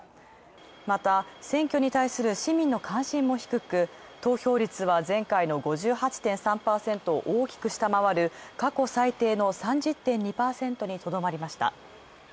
また選挙に対する市民の関心も低く投票率も前回の５８．３％を大きく下回る過去最低の３０．２％にとどまりました。